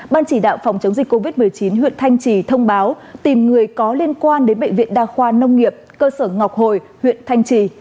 ban chỉ đạo phòng chống dịch covid một mươi chín huyện thanh trì thông báo tìm người có liên quan đến bệnh viện đa khoa nông nghiệp cơ sở ngọc hồi huyện thanh trì